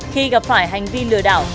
khi gặp phải hành vi lừa đảo